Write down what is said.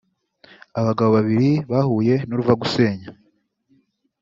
abagabo babiri bahuye n’uruva gusenya